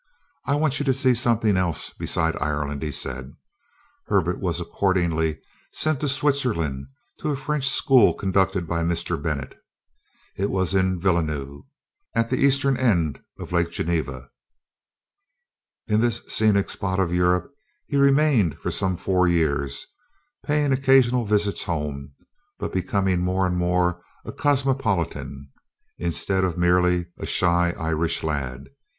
"I want you to see something else besides Ireland," he said. Herbert was accordingly sent to Switzerland, to a French school conducted by a Mr. Bennett. It was in Villeneuve, at the eastern end of Lake Geneva. In this scenic spot of Europe he remained for some four years, paying occasional visits home, but becoming more and more a cosmopolitan, instead of merely a shy Irish lad.